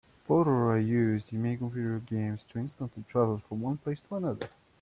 Portals are used in many computer games to instantly travel from one place to another.